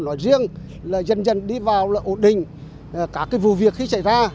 công an thị xã ba đồn nói riêng là dần dần đi vào ổn định các vụ việc khi xảy ra